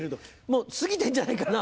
もう過ぎてんじゃないかな？